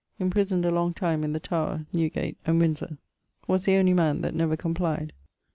Imprisoned a long time in the Tower, Newgate, and Windsore. Was the only man that never complied.